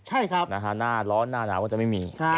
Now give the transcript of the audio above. ใช่ครับหน้าร้อนหน้าหนาวก็จะไม่มี